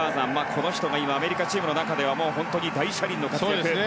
この人が今、アメリカチームの中では大車輪の活躍。